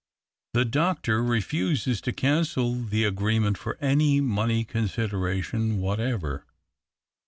The doctor refuses to cancel the agreement for any money con sideration whatever.